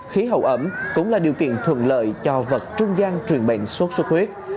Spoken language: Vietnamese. khí hậu ẩm cũng là điều kiện thuận lợi cho vật trung gian truyền bệnh sốt xuất huyết